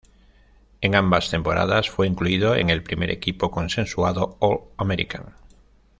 En ambas temporadas fue incluido en el primer equipo consensuado All-American.